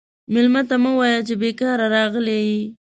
مېلمه ته مه وایه چې بیکاره راغلی یې.